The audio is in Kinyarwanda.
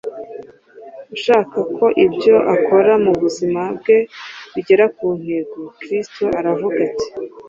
ushaka ko ibyo akora mu buzima bwe bigera ku ntego. Kristo aravuga ati